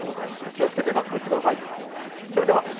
気をつけて学校行ってください。